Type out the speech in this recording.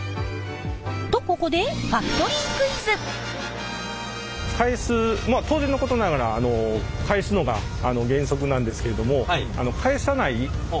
とここで当然のことながら返すのが原則なんですけれども返さないものもあります。